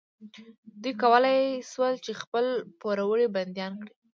دوی کولی شول چې خپل پوروړي بندیان کړي.